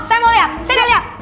saya mau liat saya udah liat